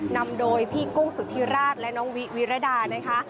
นำโดยพี่กุ้งสุธิราชและน้องวิวิรดานะคะ